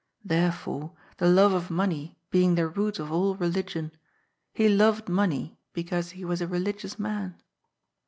Therefore, the love of money being the root of all religion, he loved money because he was a religious man.